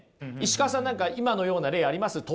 石川さん何か今のような例あります？